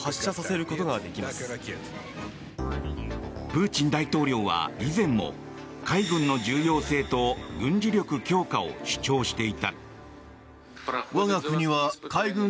プーチン大統領は以前も海軍の重要性と軍事力強化を主張していた。